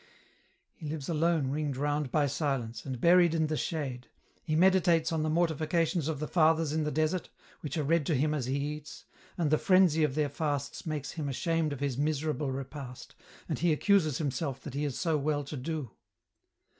" He lives alone ringed round by silence, and buried in the shade ; he meditates on the mortifications of the Fathers in the Desert, which are read to him as he eats, and the frenzy of their fasts makes him ashamed of his miserable repast, and he accuses himself that he is so well to do.